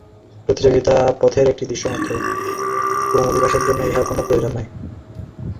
প্রতিযোগিতা পথের একটি দৃশ্য মাত্র, ক্রমবিকাশের জন্য ইহার কোন প্রয়োজন নাই।